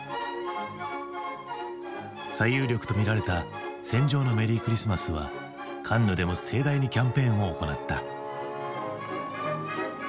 最有力とみられた「戦場のメリークリスマス」はカンヌでも盛大にキャンペーンを行った。